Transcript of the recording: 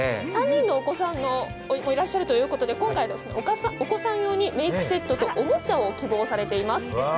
３人のお子さんがいらっしゃるということで、お子さん用にメークセットとおもちゃを希望されています。